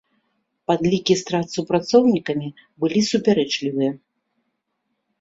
Падлікі страт супраціўнікамі былі супярэчлівыя.